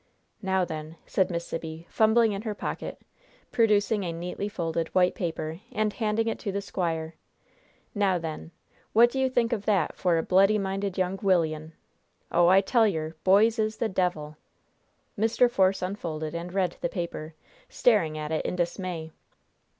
"Now, then!" said Miss Sibby, fumbling in her pocket, producing a neatly folded, white paper, and handing it to the squire. "Now, then, what do you think of that for a bloody minded young wilyun? Oh, I tell yer, boys is the devil!" Mr. Force unfolded and read the paper, staring at it in dismay.